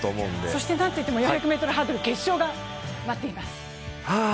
そしてなんといっても４００ｍハードル決勝が待っています。